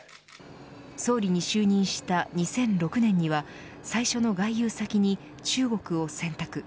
総理に就任した２００６年には最初の外遊先に中国を選択。